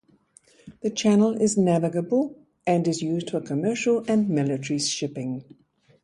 The channel is navigable and is used for commercial and military shipping.